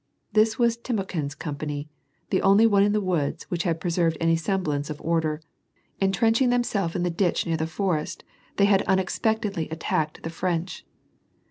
This wasTimokhin's company, the only one in the woods which had preserved any semblance of order; entrenching themselves in the ditch near the forest, they had unexpectedly attacked the French.